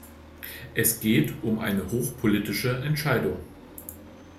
Es geht um eine hochpolitische Entscheidung.